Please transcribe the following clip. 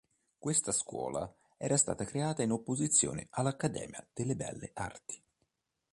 Questa scuola era stata creata in opposizione all'Accademia delle belle arti.